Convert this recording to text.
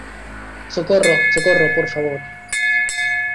¡ socorro, socorro! ¡ por favor !